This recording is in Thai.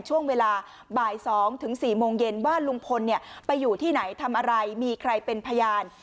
ช่วงเวลาบ่าย๒ถึง๔โมงเย็นบ้านลุงพลไปอยู่ที่ไหนทำอะไรมีใครเป็นพยาน